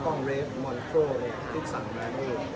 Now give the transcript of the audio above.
กล้องเรฟมอนโครพลิกสังแบบนี้